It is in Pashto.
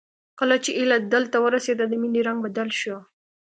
کله چې هيله دلته ورسېده د مينې رنګ بدل شو